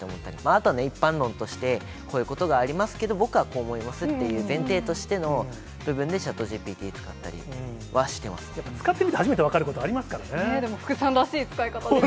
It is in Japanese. あとは一般論として、こういうことがありますけど、僕はこう思いますっていう前提としての部分でチャットＧＰＴを使やっぱ使ってみて初めて分かでも福さんらしい使い方です